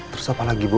terus apa lagi bu